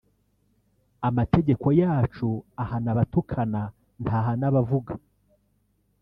amategeko yacu ahana abatukana ntahana abavuga